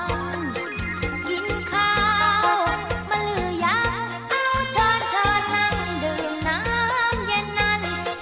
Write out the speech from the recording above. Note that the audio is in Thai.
กินข้าวมันเหลืออย่างเอาช้อนนั่งดื่มน้ำเย็นนั้น